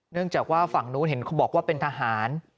เนื่องจากว่าฝั่งนู้นเห็นเขาบอกว่าเป็นทหาร